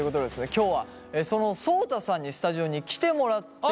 今日はそのそうたさんにスタジオに来てもらっています。